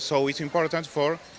jadi ini penting untuk